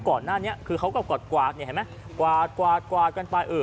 ก่อนหน้าเนี่ยก็กวาดกวาดกันไป